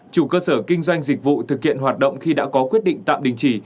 một mươi ba chủ cơ sở kinh doanh dịch vụ thực hiện hoạt động khi đã có quyết định tạm đình chỉ